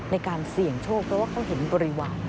ในการเสี่ยงโชคเพราะว่าเขาเห็นบริวาร